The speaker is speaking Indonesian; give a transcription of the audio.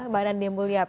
badan diam mulia